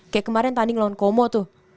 kayak kemarin tanding lawan komo tuh